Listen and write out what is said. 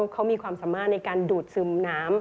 เขามีความสามารถในการดูดซึมน้ำ